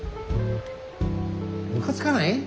ムカつかない？